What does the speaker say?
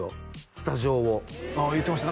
スタジオをああ言ってました